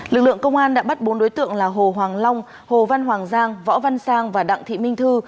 lực lượng công an đã bắt bốn đối tượng là hồ hoàng long hồ văn hoàng giang võ văn sang và đặng thị minh thư